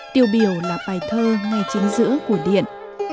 tiêu biểu là bài thơ ngay chính giữa của điện